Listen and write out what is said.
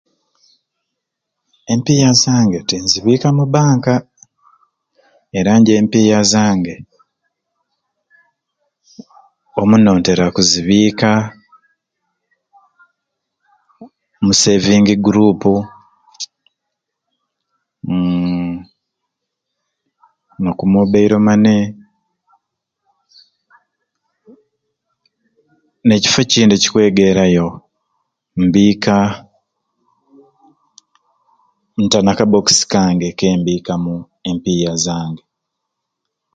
Empiiya zange tinzibiika mu banka era nje empiiya zange omuno ntera kuzibiika mu sevingi gurupu, uum n'oku mobayiro mane n'ekifo ekindi ekikwegerayi mbiika nta na ka bokisi kange ke mbiika mu empiiya zange.